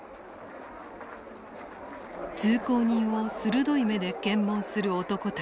通行人を鋭い目で検問する男たち。